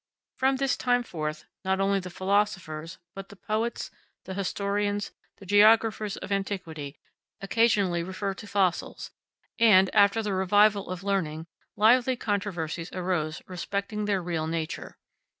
From this time forth not only the philosophers, but the poets, the historians, the geographers of antiquity occasionally refer to fossils; and, after the revival of learning, lively controversies arose respecting their real nature.